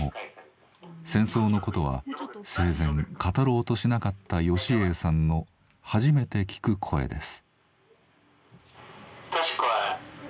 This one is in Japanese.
戦争のことは生前語ろうとしなかった芳英さんの初めて聞く声です。